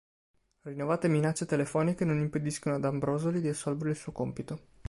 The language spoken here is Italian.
Rinnovate minacce telefoniche non impediscono ad Ambrosoli di assolvere al suo compito.